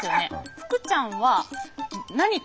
ふくちゃんは何か。